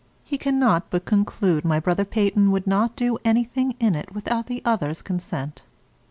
He cannot but conclude my brother Peyton would not do anything in it without the others' consent.